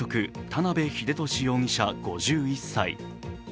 田辺秀敏容疑者５１歳。